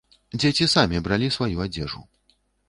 Дзеці самі бралі сваю адзежу.